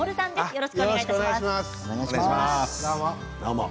よろしくお願いします。